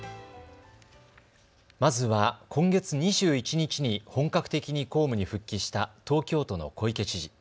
まずは今月２１日に本格的に公務に復帰した東京都の小池知事。